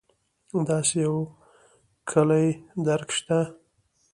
داسې یو کُلي درک شته.